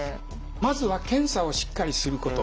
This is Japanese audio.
まずは検査をしっかりすること。